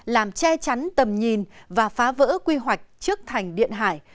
làm che chắn tầm nhìn và phá vỡ quy hoạch trước thành điện hải